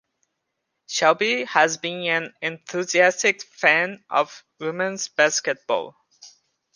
Shelby has been an enthusiastic fan of women's basketball.